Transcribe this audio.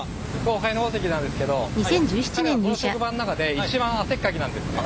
後輩の大関なんですけど彼はこの職場の中で一番汗っかきなんですね。